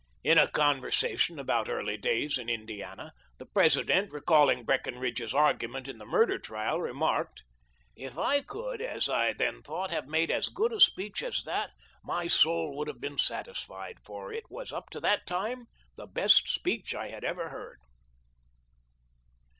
Li a conversation about early days in Indiana, the President, recalling Brecken ridge's argument in the murder trial, remarked, " If I could, as I then thought, have made as good a THE LIFE OF LINCOLN. 59 speech as that, my soul would have been satisfied ; for it was up to that time the best speech I had ever heard.